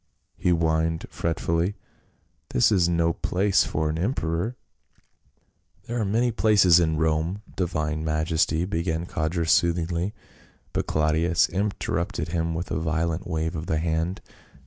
he whined fretfully, "this is no place for an emperor." 212 PAUL. " There are many palaces in Rome, divine majesty," began Codrus soothingly, but Claudius interrupted him with a violent wave of the hand.